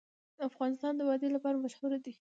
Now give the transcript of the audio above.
افغانستان د وادي لپاره مشهور دی.